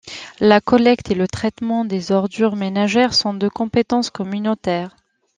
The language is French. La collecte et le traitement des ordures ménagères sont de compétence communautaire.